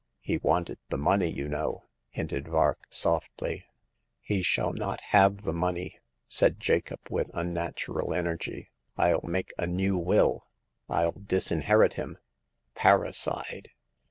"He wanted the money, you know,'* hinted Vark, softly. "He shall not have the money !" said Jacob with unnatural energy. " FU make a new will — ril disinherit him ! Parricide